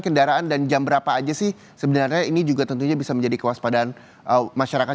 kendaraan dan jam berapa aja sih sebenarnya ini juga tentunya bisa menjadi kewaspadaan masyarakat